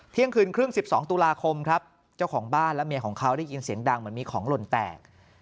เที่ยงคืนครึ่ง๑๒ตุลาคมครับเจ้าของบ้านและเมียของเขาได้ยินเสียงดังเหมือนมีของหล่นแตก